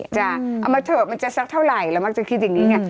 จะเอามาเถอะมันจะสักเท่าไหร่เรามักจะคิดอย่างนี้ไง